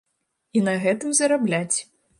І на гэтым зарабляць.